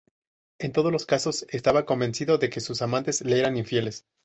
En todos los casos estaba convencido de que sus amantes le eran infieles.